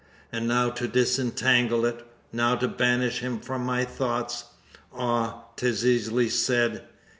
"And now to disentangle it! Now to banish him from my thoughts! Ah! 'tis easily said!